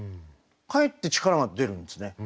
かえって力が出るんですね。